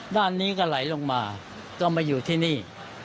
ด้านนี้ก็ไหลลงมาต้องมาอยู่ที่นี่